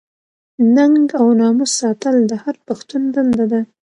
ننګ او ناموس ساتل د هر پښتون دنده ده.